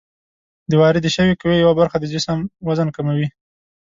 د واردې شوې قوې یوه برخه د جسم وزن کموي.